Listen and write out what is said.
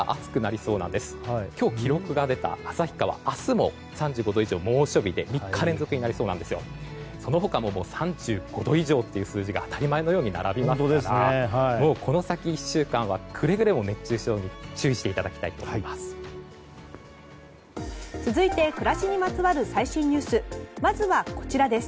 そのほかも３５度以上の数字が当たり前のように並びますからもうこの先１週間はくれぐれも熱中症に注意していただきたいと思います。